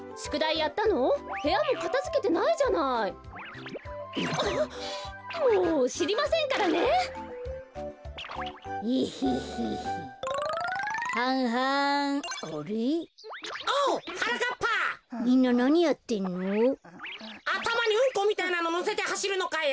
あたまにうんこみたいなののせてはしるのかよ。